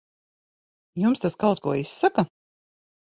Jums tas kaut ko izsaka?